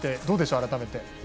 どうでしょう、改めて。